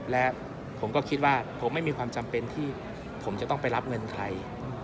และผมก็คิดว่าผมไม่มีความจำเป็นที่ผมจะต้องไปรับเงินใคร